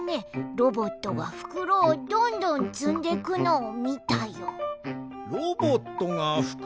ロボットがふくろをどんどんつんでくとな？